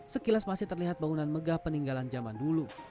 sekilas masih terlihat bangunan megah peninggalan zaman dulu